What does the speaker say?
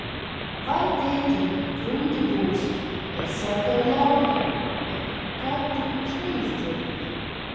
Vai, tētiņ, grūti būs. Es jau tev ļautu, bet ka tik viņš neizdzird.